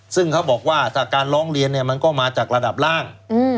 ซึ่งเขาบอกว่าถ้าการร้องเรียนเนี่ยมันก็มาจากระดับล่าง